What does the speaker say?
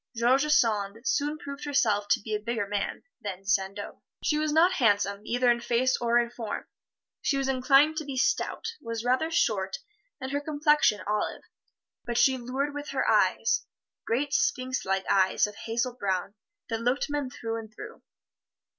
George Sand soon proved herself to be a bigger man than Sandeau. She was not handsome, either in face or in form. She was inclined to be stout was rather short and her complexion olive. But she lured with her eyes great sphinx like eyes of hazel brown that looked men through and through.